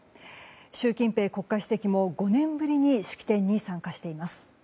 習近平国家主席も５年ぶりに式典に参加しています。